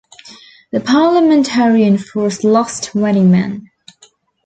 The Parliamentarian force lost twenty men.